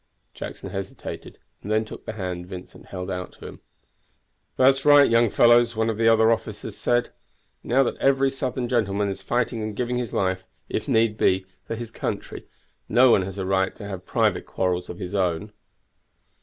Jackson hesitated, and then took the hand Vincent held out to him. "That's right, young fellows," one of the other officers said. "Now that every Southern gentleman is fighting and giving his life, if need be, for his country, no one has a right to have private quarrels of his own.